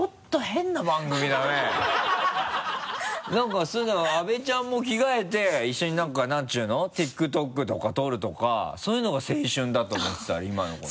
なんかそういうの阿部ちゃんも着替えて一緒になんかなんていうのＴｉｋＴｏｋとか撮るとかそういうのが青春だと思ってた今の子の。